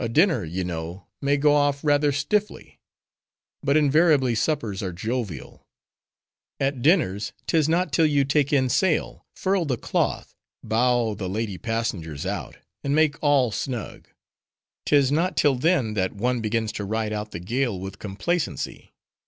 A dinner, you know, may go off rather stiffly; but invariably suppers are jovial. At dinners, 'tis not till you take in sail, furl the cloth, bow the lady passengers out, and make all snug; 'tis not till then, that one begins to ride out the gale with complacency.